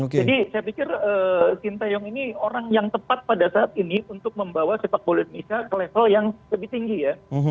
jadi saya pikir sintayong ini orang yang tepat pada saat ini untuk membawa sepak bola indonesia ke level yang lebih tinggi ya